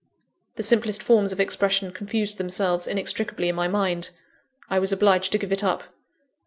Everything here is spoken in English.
The simplest forms of expression confused themselves inextricably in my mind. I was obliged to give it up.